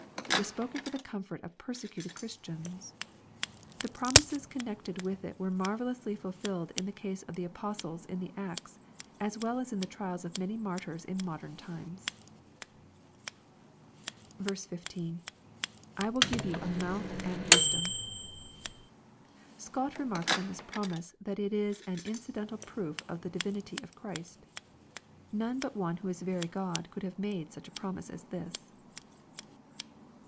It was spoken for the comfort of persecuted Christians. The promises con nected with it were marvellously fulfilled in the case of the Apos tles in the Acts, as well as in the trials of many martyrs in modern times. 15. — [IvnU give you a m^uth and wisdom,] Scott remarks on this promise that it is an incidental proof of the divinity of Christ None but One who was very Q od could have made such a prom ise as this. 1 6.